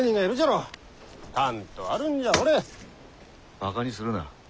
バカにするな。